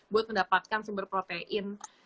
buat mendapatkan sumber protein